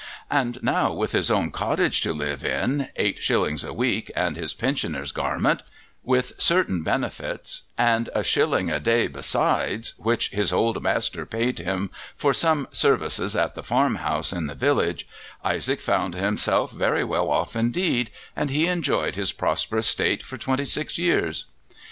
And now, with his own cottage to live in, eight shillings a week, and his pensioners' garments, with certain other benefits, and a shilling a day besides which his old master paid him for some services at the farm house in the village, Isaac found himself very well off indeed, and he enjoyed his prosperous state for twenty six years.